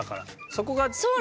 そこがね。